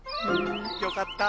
よかったぁ。